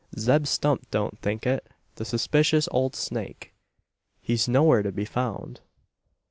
"Zeb Stump don't think it, the suspicious old snake! He's nowhere to be found.